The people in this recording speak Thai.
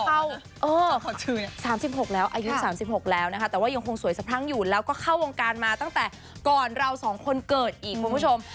๓๖แล้วอายุ๓๖แล้วนะคะแต่ว่ายังคงสวยสะพรั่งอยู่แล้วก็เข้าวงการมาตั้งแต่ก่อนเราสองคนเกิดอีกคุณผู้ชม